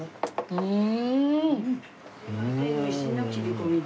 うん！